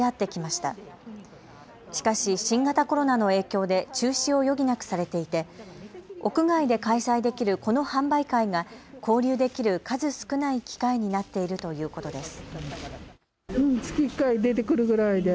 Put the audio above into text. しかし新型コロナの影響で中止を余儀なくされていて屋外で開催できるこの販売会が交流できる数少ない機会になっているということです。